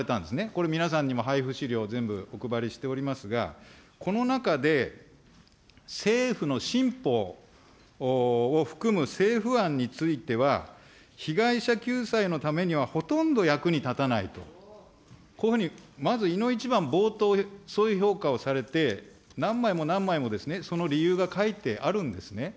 これ、皆さんにも配布資料、全部お配りしておりますが、この中で、政府の新法を含む政府案については、被害者救済のためにはほとんど役に立たないと、こういうふうに、まずいの一番、冒頭でそういう評価をされて、何枚も何枚もその理由が書いてあるんですね。